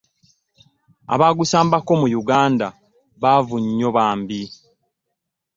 Abaagusambako mu Yuganda baavu nnyo bambi!